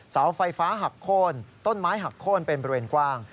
เสาไฟฟ้าหักโค้นต้นไม้หักโค้นเป็นบริเวณกว้าง